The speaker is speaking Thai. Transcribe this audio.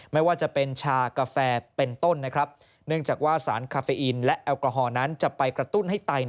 ไม่ว่าจะเป็นชากาแฟเป็นต้นนะครับเนื่องจากว่าสารคาเฟอินและแอลกอฮอลนั้นจะไปกระตุ้นให้ไต